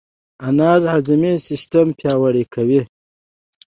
انار د هاضمې سیستم پیاوړی کوي.